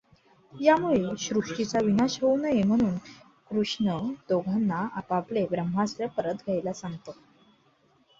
यामुळे सृष्टीचा विनाश होऊ नये म्हणून कृष्ण दोघांना आपापले ब्रह्मास्त्र परत घ्यायला सांगतो.